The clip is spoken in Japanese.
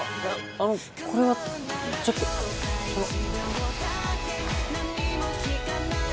あのこれはちょっとその